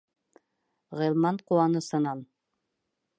Ғилман ҡыуанысынан: